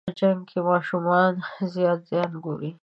په جنګ کې ماشومان زیات زیان ګوري.